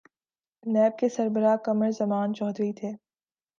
NAB کے سربراہ قمر زمان چوہدری تھے۔